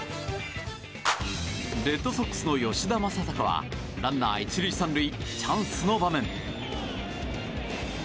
レッドソックスの吉田正尚はランナー１塁３塁チャンスの場面。